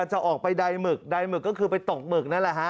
จะออกไปใดหมึกใดหมึกก็คือไปตกหมึกนั่นแหละฮะ